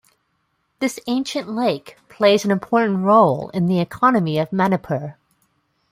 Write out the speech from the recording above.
This ancient lake plays an important role in the economy of Manipur.